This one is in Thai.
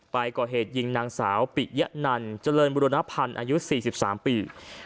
ก่อเหตุยิงนางสาวปิยะนันเจริญบุรณพันธ์อายุ๔๓ปี